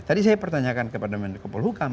tadi saya pertanyakan kepada menko polhukam